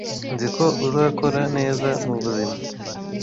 Nzi ko uzakora neza mubuzima.